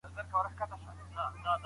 د شپې نوکريوال ډاکټران څه کوي؟